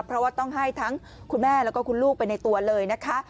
เพราะว่าต้องให้ทั้งคุณแม่แล้วก็คุณลูกไปในตัวเลยนะคะ